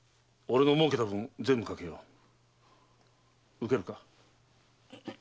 受けるか？